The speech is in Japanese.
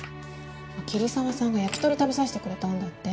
桐沢さんが焼き鳥食べさせてくれたんだって。